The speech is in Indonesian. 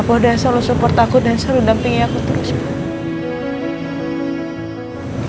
papa udah selalu support aku dan selalu dampingi aku terus pak